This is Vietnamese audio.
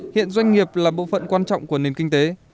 hiện doanh nghiệp là bộ phận quan trọng của nền kinh tế